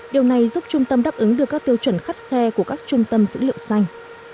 điều này giúp trung tâm đáp ứng được các tiêu chuẩn khắt khe của các trung tâm dữ liệu xanh